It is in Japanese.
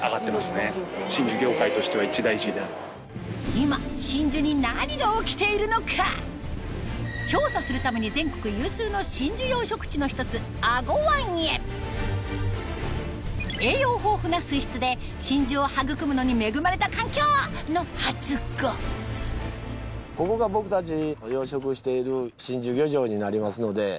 今真珠に調査するために全国有数の真珠養殖地の一つ英虞湾へ栄養豊富な水質で真珠を育むのに恵まれた環境！のはずがここが僕たちの養殖している真珠漁場になりますので。